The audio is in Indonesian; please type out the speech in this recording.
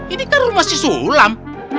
ini kan rumah si sulam